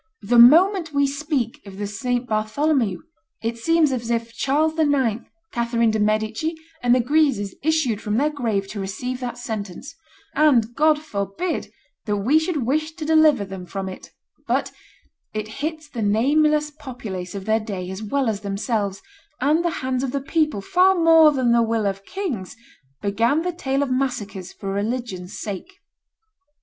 The moment we speak of the St. Bartholomew, it seems as if Charles IX., Catherine de' Medici, and the Guises issued from their grave to receive that sentence; and God forbid that we should wish to deliver them from it; but it hits the nameless populace of their day as well as themselves, and the hands of the people, far more than the will of kings, began the tale of massacres for religion's sake.